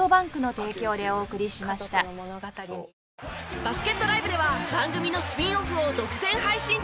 バスケットＬＩＶＥでは番組のスピンオフを独占配信中！